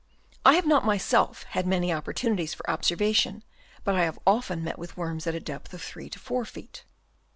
I have not myself had many opportunities for observation, but I have often met with worms at depths of 3 to 4 feet.